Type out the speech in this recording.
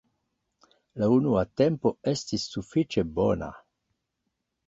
La unua tempo estis sufiĉe bona.